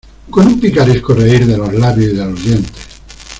con un picaresco reír de los labios y de los dientes.